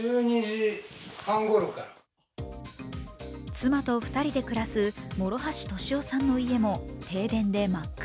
妻と２人で暮らす諸橋敏夫さんの家も停電で真っ暗。